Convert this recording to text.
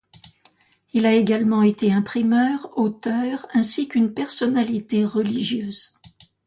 Il a également été imprimeur, auteur ainsi qu'une personnalité religieuse.